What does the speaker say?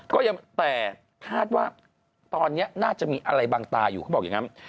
ก็ยังแต่คาดว่าตอนนี้น่าจะมีอะไรบางตาอยู่เขาบอกอย่างนั้น